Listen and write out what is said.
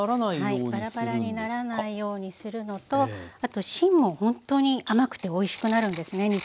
はいバラバラにならないようにするのとあと芯もほんとに甘くておいしくなるんですね